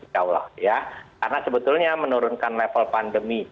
karena sebetulnya menurunkan level pandemi